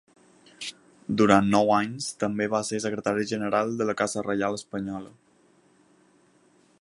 Durant nou anys també va ser secretari general de la casa reial espanyola.